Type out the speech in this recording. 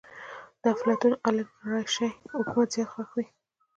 د افلاطون اليګارشي حکومت زيات خوښ وي.